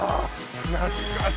懐かしい！